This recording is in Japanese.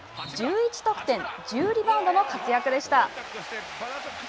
１１得点１０リバウンドの活躍でした。